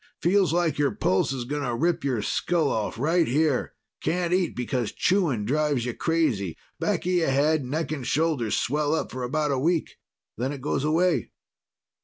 Feels like your pulse is going to rip your skull off, right here. Can't eat because chewing drives you crazy. Back of your head, neck and shoulders swell up for about a week. Then it goes away."